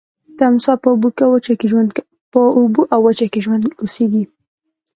تمساح په اوبو او وچه کې اوسیږي